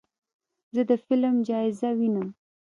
زه د فلم جایزه وینم.